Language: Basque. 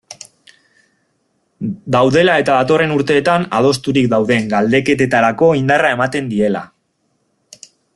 Daudela eta datorren urteetan adosturik dauden galdeketetarako indarra ematen diela.